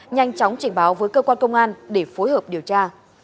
nhanh chóng trình báo với cơ quan công an để phối hợp điều tra